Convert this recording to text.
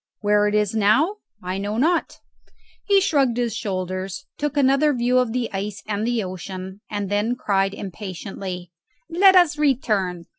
Where it is now I know not." He shrugged his shoulders, took another view of the ice and the ocean, and then cried impatiently, "Let us return!